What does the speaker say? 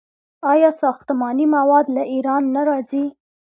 آیا ساختماني مواد له ایران نه راځي؟